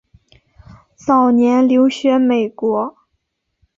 早年留学美国。